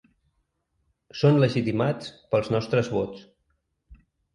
Són legitimats pels nostres vots.